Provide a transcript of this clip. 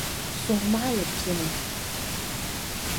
Suhumahili pini.